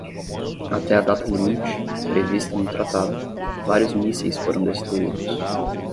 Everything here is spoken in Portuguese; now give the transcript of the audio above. Até a data-limite, prevista no tratado, vários mísseis foram destruídos.